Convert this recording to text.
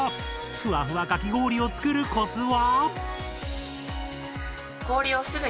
ふわふわかき氷を作るコツは？